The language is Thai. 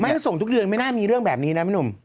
ส่งทุกเดือนไม่น่ามีเรื่องแบบนี้นะพี่หนุ่ม